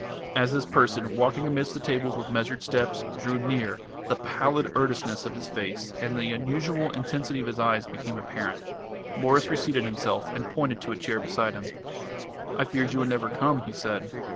As this person, walking amidst the tables with measured steps, drew near, the pallid earnestness of his face and the unusual intensity of his eyes became apparent. Mwres reseated himself and pointed to a chair beside him. "I feared you would never come," he said.